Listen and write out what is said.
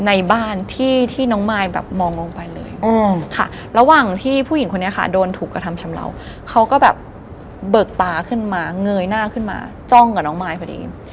ในบ้านที่น้องมายแบบมองลงไปเลยค่ะระหว่างที่ผู้หญิงคนนี้ค่ะโดนถูกกระทำชำเหล่าเขาก็แบบเบิกตาขึ้นมาเงยหน้าขึ้นมาจ้องกับน้องมายพอดี